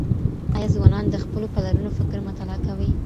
آيا ځوانان د خپلو پلرونو فکر مطالعه کوي؟